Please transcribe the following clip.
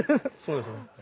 そうですね。